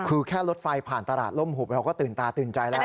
คือแค่รถไฟผ่านตลาดล่มหุบเราก็ตื่นตาตื่นใจแล้ว